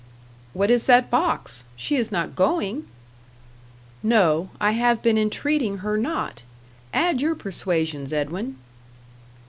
"What is that box? She is not going?" "No; I have been entreating her not. Add your persuasions, Edwin."